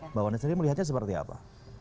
mbak waneseri melihatnya seperti apa